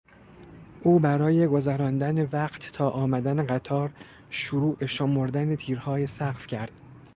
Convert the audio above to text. او برای گذراندن وقت تا آمدن قطار شروع به شمردن تیرهای سقف کرد.